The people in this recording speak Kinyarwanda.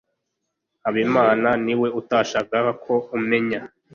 habimana niwe utashakaga ko umenya